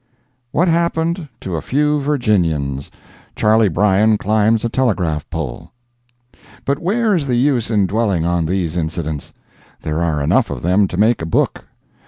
WHAT HAPPENED TO A FEW VIRGINIANS—CHARLEY BRYAN CLIMBS A TELEGRAPH POLE. But where is the use in dwelling on these incidents? There are enough of them to make a book.